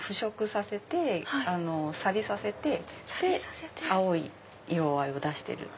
さびさせて青い色合いを出している。